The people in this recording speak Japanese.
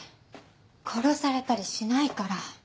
殺されたりしないから。